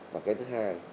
và cái thứ hai